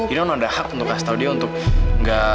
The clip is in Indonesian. jadi non ada hak untuk kasih tau dia untuk gak